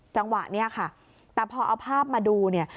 จังหวะเนี่ยค่ะแต่พอเอาภาพมาดูเนี่ย